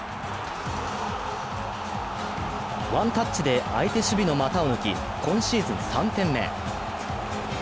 ワンタッチで相手守備の股を抜き今シーズン３点目。